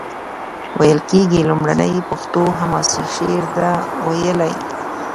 ویل کیږي لومړنی پښتو حماسي شعر ده ویلی.